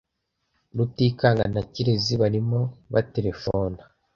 Rutikanga na Kirezi barimo baterefona.